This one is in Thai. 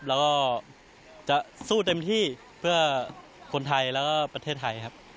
แล้วก็จะสู้เต็มที่เพื่อคนไทยแล้วก็ประเทศไทยครับ